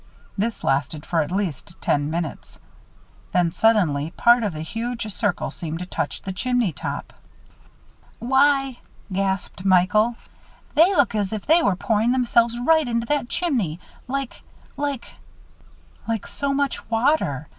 This lasted for at least ten minutes. Then, suddenly, part of the huge circle seemed to touch the chimney top. "Why!" gasped Michael, "they look as if they were pouring themselves right into that chimney like like " "Like so much water.